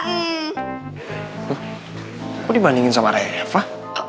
loh kok dibandingin sama reva